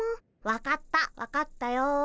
分かった分かったよ。